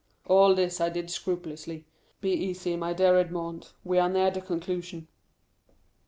All this I did scrupulously. Be easy, my dear Edmond, we are near the conclusion.